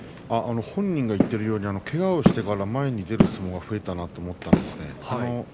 本人が言ってるようにけがをしてから前に出る相撲が増えたなと思ったんです。